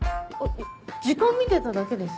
時間見てただけです。